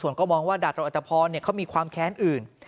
ส่วนก็มองว่าดาบรอัตภพรเขามีความแค้นอื่น